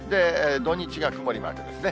土日が曇りマークですね。